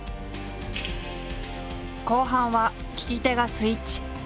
後半は聞き手がスイッチ。